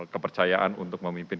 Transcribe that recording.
kepercayaan untuk memimpin